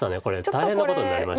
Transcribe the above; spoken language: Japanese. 大変なことになりました。